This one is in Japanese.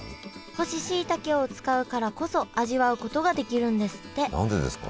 干ししいたけを使うからこそ味わうことができるんですって何でですか？